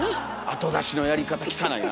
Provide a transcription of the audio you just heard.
後出しのやり方汚いな！